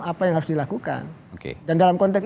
apa yang harus dilakukan dan dalam konteks